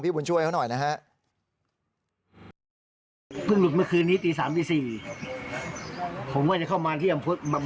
พี่ผู้ช่วยคะขออภัยนะคะ